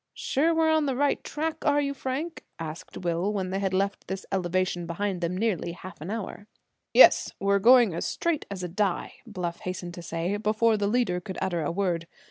"Sure we're on the right track, are you, Frank?" asked Will, when they had left this elevation behind them nearly half an hour. "Yes, we're going as straight as a die," Bluff hastened to say, before the leader could utter a word.